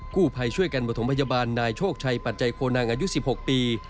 กู้ภัยช่วยกันประถมพยาบาลนายโชคชัยปัจจัยโคนังอายุ๑๖ปี